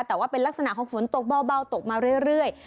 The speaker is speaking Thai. แต่ว่าเป็นลักษณะของฝนตกเบาตกมาเรื่อย